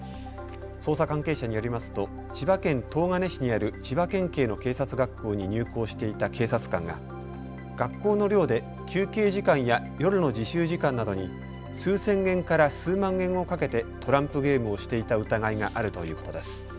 捜査関係者によりますと千葉県東金市にある千葉県警の警察学校に入校していた警察官が学校の寮で休憩時間や夜の自習時間などに数千円から数万円を賭けてトランプゲームをしていた疑いがあるということです。